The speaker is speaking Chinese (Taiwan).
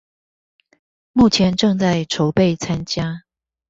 目前正在籌備參加